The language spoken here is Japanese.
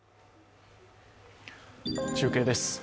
中継です。